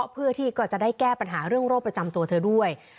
เพื่อที่ก็จะได้แก้ปัญหาเรื่องโรคประจำตัวเธอด้วย